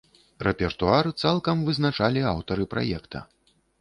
Рэпертуар цалкам вызначалі аўтары праекта.